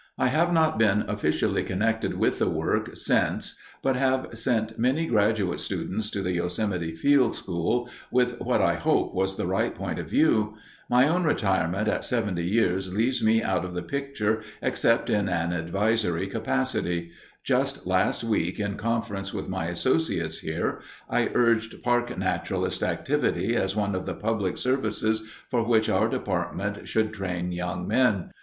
I have not been officially connected with the work since but have sent many graduate students to the Yosemite Field School with what I hope was the right point of view. My own retirement at 70 years leaves me out of the picture except in an advisory capacity. Just last week in conference with my associates here, I urged Park Naturalist activity as one of the public services for which our department should train young men.